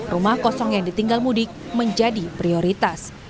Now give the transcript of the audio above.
rumah kosong yang ditinggal mudik menjadi prioritas